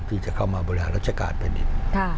ที่เขามาบริหารรัชกาลผนิต